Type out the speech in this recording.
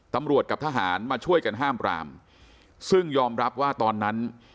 ตำรวจกับทหารมาช่วยกันห้ามปรามซึ่งยอมรับว่าตอนนั้น